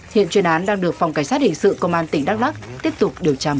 hiện chuyên án đang được phòng cảnh sát hình sự công an tỉnh đắk lắk tiếp tục điều tra mở rộng